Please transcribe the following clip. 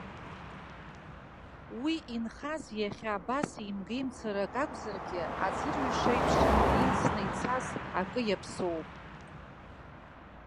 Уи инхаз, иахьа абас еимгеимцарак акәзаргьы, аӡырҩаш еиԥш илсны ицаз акы иаԥсоуп.